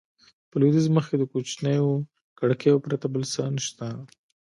په لوېدیځ مخ کې د کوچنیو کړکیو پرته بل څه نه شته.